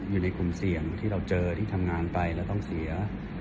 อยู่ในกลุ่มเสี่ยงที่เราเจอที่ทำงานไปแล้วต้องเสีย